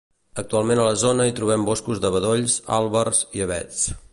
Actualment a la zona hi trobem boscos de bedolls, àlbers i avets.